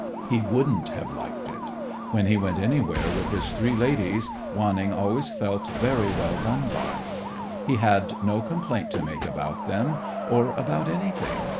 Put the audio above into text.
He wouldn't have liked it. When he went anywhere with his three ladies, Wanning always felt very well done by. He had no complaint to make about them, or about anything.